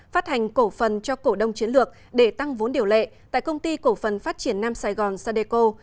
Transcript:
phát hành cổ phần cho cổ đông chiến lược để tăng vốn điều lệ tại công ty cổ phần phát triển nam sài gòn sadeco